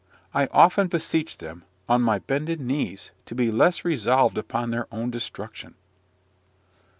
I could often beseech them, on my bended knees, to be less resolved upon their own destruction.